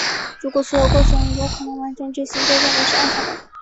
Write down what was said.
如果所有过程有可能完成执行被认为是安全的。